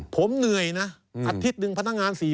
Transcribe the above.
ผมเหนื่อยนะอาทิตย์หนึ่งพนักงาน๔๐